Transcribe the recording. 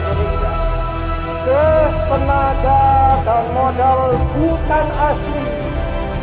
sejenelah tenaga dan modal hutan asli yang sudah menetap di indonesia